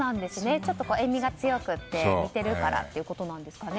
ちょっと塩みが強くて似ているからということなんですかね。